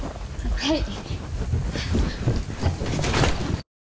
はい。